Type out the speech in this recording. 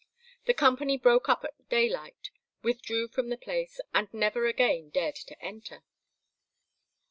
The company broke up at daylight, withdrew from the place, and never again dared to enter.